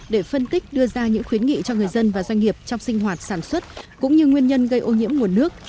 để phân tích đưa ra những khuyến nghị cho người dân và doanh nghiệp trong sinh hoạt sản xuất cũng như nguyên nhân gây ô nhiễm nguồn nước